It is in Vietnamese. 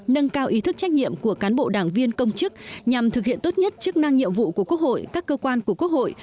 nâng cao ý thức trách nhiệm của cán bộ đảng viên công chức nhằm thực hiện tốt nhất chức năng nhiệm vụ của quốc hội các cơ quan của quốc hội